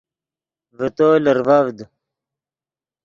ڤے تو لرڤڤد